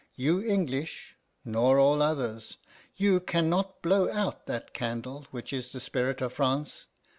You English, nor all others, you can not blow out that candle which is the spirit of France.